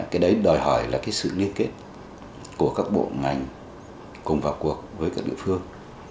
cái đấy đòi hỏi là cái sự liên kết của các bộ ngành cùng vào cuộc với các địa phương